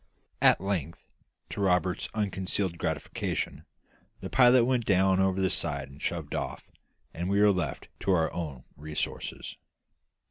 At length, to Roberts's unconcealed gratification, the pilot went down over the side and shoved off, and we were left to our own resources.